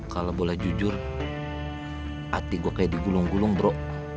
kalau boleh jujur hati gue kayak digulung gulung bro